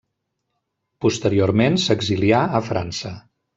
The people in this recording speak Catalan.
Posteriorment s'exilià a França.